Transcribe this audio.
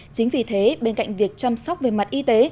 chính vì thế bên cạnh việc chăm sóc về mặt y tế